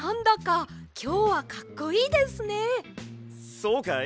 そうかい？